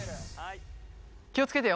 気を付けてよ。